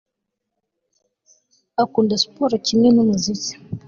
Akunda siporo kimwe numuziki